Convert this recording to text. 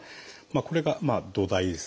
これが土台ですね。